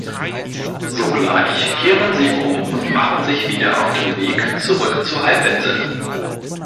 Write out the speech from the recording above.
Sogleich kehren sie um und machen sich wieder auf den Weg zurück zur Halbinsel.